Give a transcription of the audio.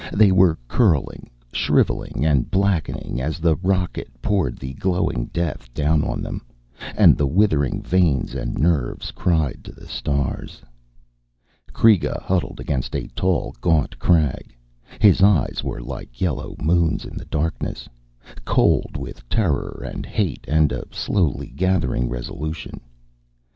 They were curling, shriveling and blackening as the rocket poured the glowing death down on them, and the withering veins and nerves cried to the stars. Kreega huddled against a tall gaunt crag. His eyes were like yellow moons in the darkness, cold with terror and hate and a slowly gathering resolution.